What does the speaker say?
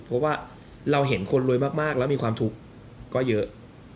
เพราะว่าเราเห็นคนรวยมากแล้วมีความทุกข์ก็เยอะ